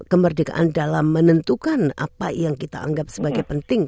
kemerdekaan dalam menentukan apa yang kita anggap sebagai penting